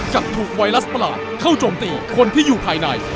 กับถูกไวรัสประหลาดเข้าโจมตีคนที่อยู่ภายใน